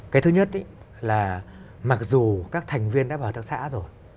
cái thứ nhất là mặc dù các thành viên đã vào hợp tác xã rồi